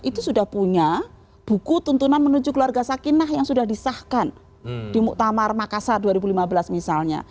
itu sudah punya buku tuntunan menuju keluarga sakinah yang sudah disahkan di muktamar makassar dua ribu lima belas misalnya